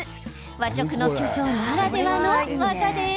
和食の巨匠ならではの技です。